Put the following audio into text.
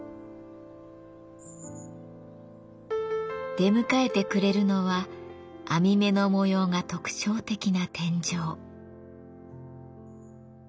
出迎えてくれるのは網目の模様が特徴的な天井。